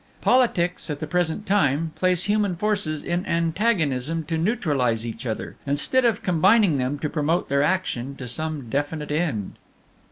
Politics, at the present time, place human forces in antagonism to neutralize each other, instead of combining them to promote their action to some definite end.